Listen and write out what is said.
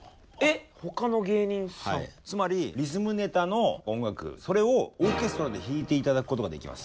つまりリズムネタの音楽それをオーケストラで弾いて頂くことができます。